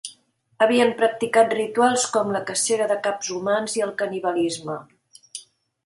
Havien practicat rituals com la cacera de caps humans i el canibalisme.